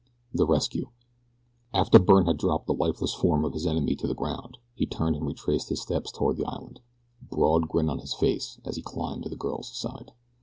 THE RESCUE AFTER Byrne had dropped the lifeless form of his enemy to the ground he turned and retraced his steps toward the island, a broad grin upon his face as he climbed to the girl's side.